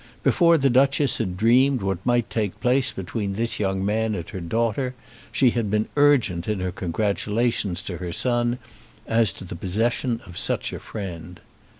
Before the Duchess had dreamed what might take place between this young man and her daughter she had been urgent in her congratulations to her son as to the possession of such a friend.